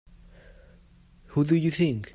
Who do you think?